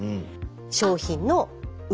商品の裏。